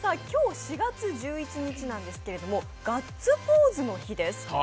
今日４月１１日なんですけれども、ガッツポーズの日です。